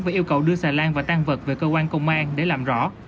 và yêu cầu đưa xà lan và tan vật về cơ quan công an để làm rõ